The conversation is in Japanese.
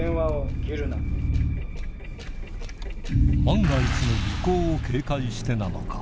万が一の尾行を警戒してなのか